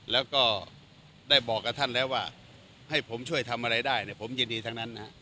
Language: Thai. แล้วก็ได้บอกกับท่านแล้วว่าให้ผมช่วยทำอะไรได้ผมยินดีทั้งนั้น